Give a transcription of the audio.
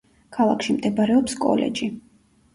ქალაქში მდებარეობს კოლეჯი.